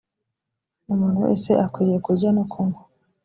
umuntu wese akwiriye kurya no kunywa .